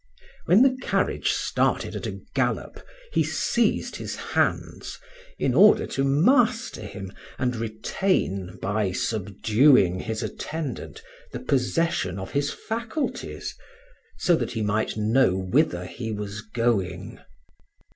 When the carriage started at a gallop he seized his hands, in order to master him, and retain, by subduing his attendant, the possession of his faculties, so that he might know whither he was going.